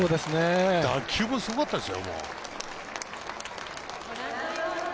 打球すごかったですよ。